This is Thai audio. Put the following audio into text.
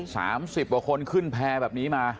๓๐บาทคนขึ้นแพร่แบบนี้มา